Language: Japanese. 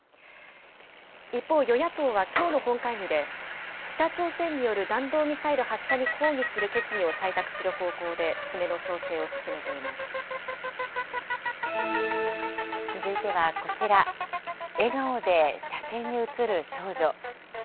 一方、与野党はきょうの本会議で、北朝鮮による弾道ミサイル発射に抗議する決議を採択する方向で詰続いてはこちら、笑顔で写真に写る少女。